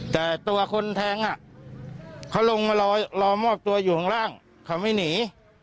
แต่ตัวคนแทงเขาลงมารอมอบตัวอยู่ข้างล่างเขาไม่หนี